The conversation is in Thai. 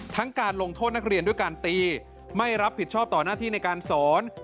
การลงโทษนักเรียนด้วยการตีไม่รับผิดชอบต่อหน้าที่ในการสอน